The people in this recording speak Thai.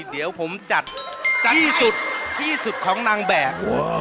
เดี๋ยวผมจัดที่สุดคองนางแบบ